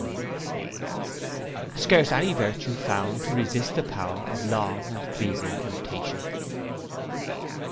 Scarce any virtue found to resist the power of long and pleasing temptation.